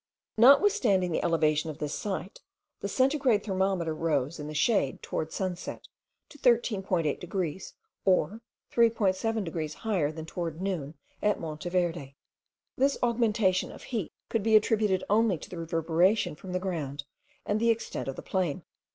Notwithstanding the elevation of this site, the centigrade thermometer rose in the shade toward sunset, to 13.8 degrees, or 3.7 degrees higher than toward noon at Monte Verde. This augmentation of heat could be attributed only to the reverberation from the ground, and the extent of the plain.